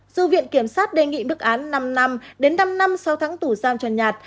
dù viện kiểm sát đề nghị bức án năm năm đến năm năm sau tháng tù giam cho nhạt